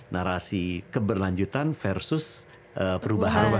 narasi keberlanjutan versus perubahan gitu kan